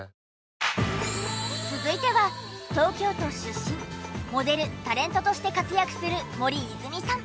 続いては東京都出身モデル・タレントとして活躍する森泉さん。